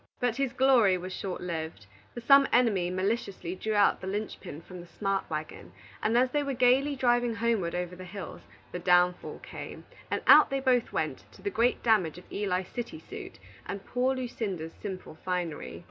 But his glory was short lived; for some enemy maliciously drew out the linchpin from the smart wagon, and as they were gayly driving homeward over the hills, the downfall came, and out they both went, to the great damage of Eli's city suit, and poor Lucinda's simple finery.